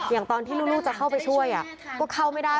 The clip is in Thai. อย่างตอนที่ลูกจะเข้าไปช่วยก็เข้าไม่ได้